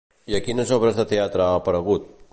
I a quines obres de teatre ha aparegut?